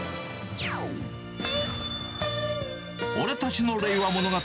俺たちの令和物語。